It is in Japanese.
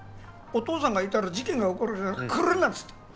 「お父さんがいたら事件が起こるから来るな」っつって